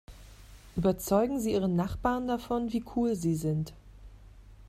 Überzeugen Sie Ihren Nachbarn davon, wie cool Sie sind!